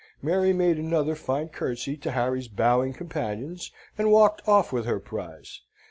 Maria made another fine curtsey to Harry's bowing companions, and walked off with her prize.